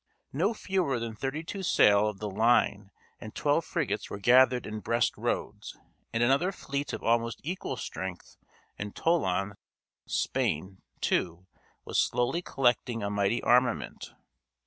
No fewer than thirty two sail of the line and twelve frigates were gathered in Brest roads, and another fleet of almost equal strength in Toulon. Spain, too, was slowly collecting a mighty armament.